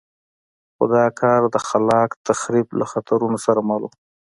خو دا کار د خلاق تخریب له خطرونو سره مل وو.